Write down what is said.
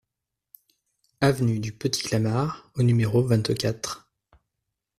Avenue du Petit Clamart au numéro vingt-quatre